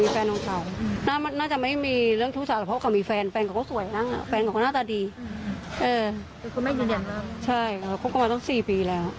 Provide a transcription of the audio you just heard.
ผมก็มาตั้ง๔ปีแล้ว